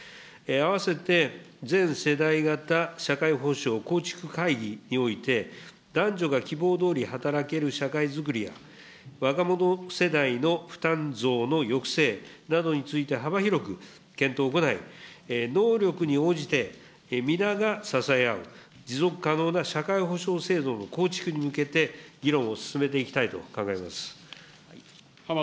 併せて、全世代型社会保障構築会議において、男女が希望どおり働ける社会づくりや、若者世代の負担増の抑制などについて、幅広く検討を行い、能力に応じて、皆が支え合う、持続可能な社会保障制度の構築に向けて、議論を進めていきたいと考えます。